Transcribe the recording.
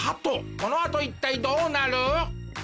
このあと一体どうなる？